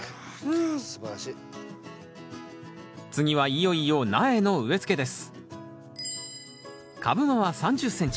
次はいよいよ苗の植え付けです